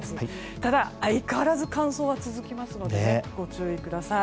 ただ、相変わらず乾燥は続きますのでご注意ください。